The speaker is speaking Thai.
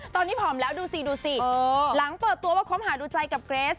ตอนนี้ผอมแล้วดูสิดูสิหลังเปิดตัวว่าคบหาดูใจกับเกรส